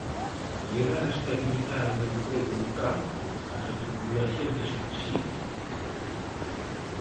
Mellorar a estabilidade do emprego no campo, a reformulación de subsidios.